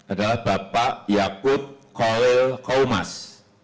adalah bapak yakut khol komas